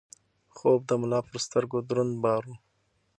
خوب د ملا پر سترګو دروند بار و.